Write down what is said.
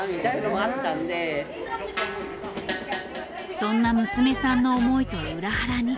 そんな娘さんの思いとは裏腹に。